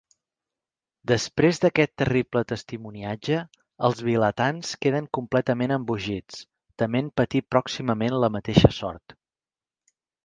Després d'aquest terrible testimoniatge, els vilatans queden completament embogits, tement patir pròximament la mateixa sort.